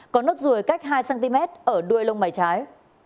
có nốt ruồi cách hai cm ở đuôi lông mảy trái